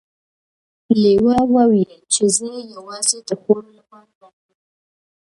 لیوه وویل چې زه یوازې د خوړو لپاره راغلی وم.